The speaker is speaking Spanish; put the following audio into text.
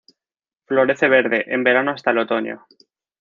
Florece verde, en verano hasta el otoño.